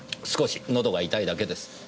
少し喉が痛いだけです。